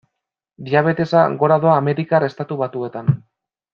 Diabetesa gora doa Amerikar Estatu Batuetan.